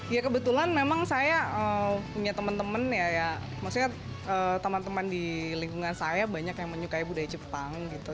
ya kebetulan memang saya punya teman teman ya maksudnya teman teman di lingkungan saya banyak yang menyukai budaya jepang gitu